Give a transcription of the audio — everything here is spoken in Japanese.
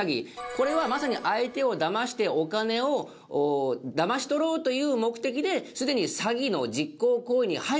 これはまさに相手をだましてお金をだまし取ろうという目的ですでに詐欺の実行行為に入っているんですね。